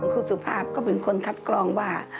คุณสุภาพก็เป็นคนคัดกรองว่า